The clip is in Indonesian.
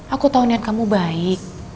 aku tahu niat kamu baik